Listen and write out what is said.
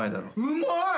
うまい！